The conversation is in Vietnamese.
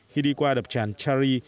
khi đi qua đập tràn chari